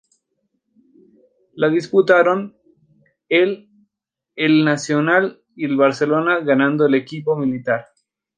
La disputaron el El Nacional y Barcelona, ganando el equipo militar.